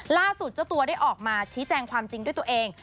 เจ้าตัวได้ออกมาชี้แจงความจริงด้วยตัวเอง